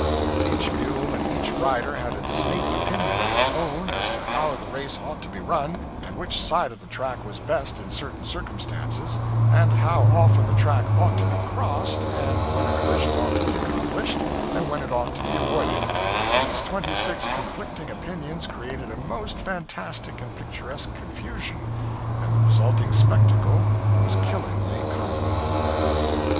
As each mule and each rider had a distinct opinion of his own as to how the race ought to be run, and which side of the track was best in certain circumstances, and how often the track ought to be crossed, and when a collision ought to be accomplished, and when it ought to be avoided, these twenty six conflicting opinions created a most fantastic and picturesque confusion, and the resulting spectacle was killingly comical.